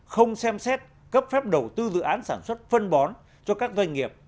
không xem xét cấp phép đầu tư dự án sản xuất phân bón cho các doanh nghiệp